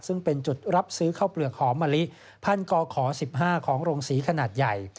ซึ่งเป็นจุดรับซื้อข้าวเปลือกหอมมะลิพันกข๑๕ของโรงศรีขนาดใหญ่